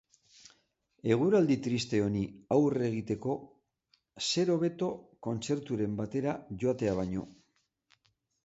Eguraldi triste honi aurre egiteko zer hobeto kontzerturen batera joatea baino?